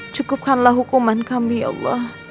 cukupkanlah hukuman kami ya allah